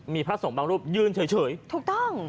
มีพระสงฆ์บางรูปยืนเฉยถูกต้อง